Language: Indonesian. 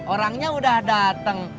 orangnya udah dateng